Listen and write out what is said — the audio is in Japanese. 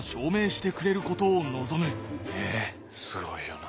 えっすごいよな。